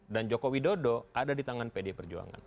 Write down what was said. dan joko widodo ada di tangan pdi perjuangan